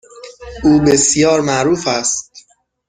او بسیار معروف است.